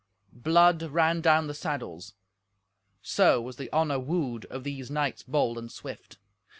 Blood ran down the saddles. So was the honour wooed of these knights bold and swift.